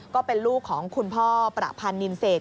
ก็เป็นลูกของคุณพ่อประพันธ์นินเศษ